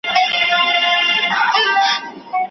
هېڅکله په خپلو مهمو علمي کارونو کي بې ځایه بېړه مه کوئ.